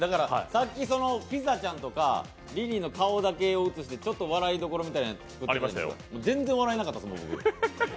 さっきピザちゃんとかリリーの顔だけ映してちょっと笑いどころみたいなのを作ってましたけど、全然笑えなかったですもん。